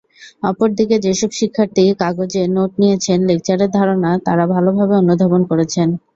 অপর দিকে যেসব শিক্ষার্থী কাগজে নোট নিয়েছেন, লেকচারের ধারণা তাঁরা ভালোভাবে অনুধাবন করেছেন।